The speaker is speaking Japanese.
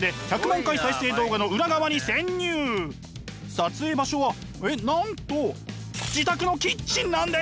撮影場所はえっなんと自宅のキッチンなんです！